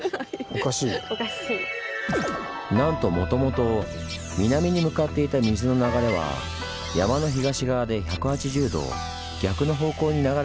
なんともともと南に向かっていた水の流れは山の東側で１８０度逆の方向に流れていたんです。